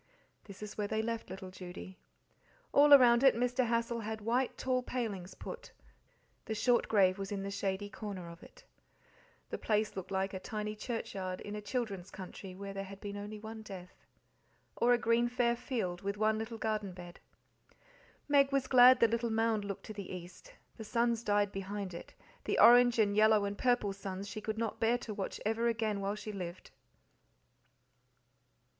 This is where they left little Judy. All around it Mr. Hassal had white tall palings put; the short grave was in the shady corner of it. The place looked like a tiny churchyard in a children's country where there had only been one death. Or a green fair field, with one little garden bed. Meg was glad the little mound looked to the east; the suns died behind it the orange and yellow and purple suns she could not bear to watch ever again while she lived.